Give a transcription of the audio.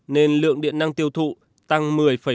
nên lượng điện năng tiêu thụ tăng một mươi bảy